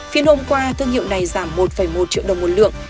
phiên hôm qua thương hiệu này giảm một một triệu đồng một lượng